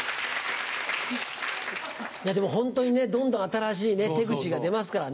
でもホントにどんどん新しい手口が出ますからね。